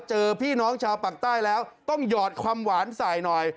เจอพี่น้องชาวปากใต้แล้วต้องหยอดความหวานใส่หน่อย